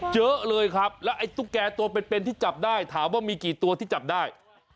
เยอะเลยครับแล้วไอ้ตุ๊กแก่ตัวเป็นที่จับได้ถามว่ามีกี่ตัวที่จับได้